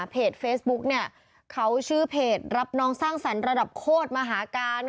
เพจเฟซบุ๊กเขาชื่อเพจรับน้องสร้างสรรค์ระดับโคตรมหาการ